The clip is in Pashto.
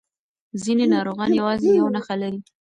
ځینې ناروغان یوازې یو نښه لري.